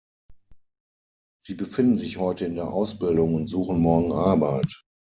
Sie befinden sich heute in der Ausbildung und suchen morgen Arbeit.